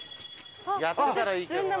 やってたらいいけどな。